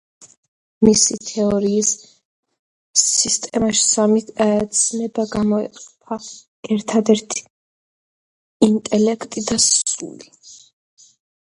მისი თეორიის სისტემაში სამი ცნება გამოიყოფა: ერთადერთი, ინტელექტი და სული.